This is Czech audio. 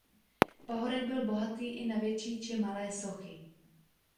Pahorek byl bohatý i na větší či malé sochy.